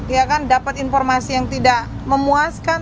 ya kan dapat informasi yang tidak memuaskan